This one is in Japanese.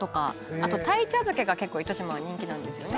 あと鯛茶漬けが結構糸島は人気なんですよね。